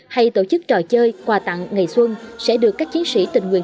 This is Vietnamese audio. hay tổ chức trò chơi quà tặng ngày xuân sẽ được các chiến sĩ tình nguyện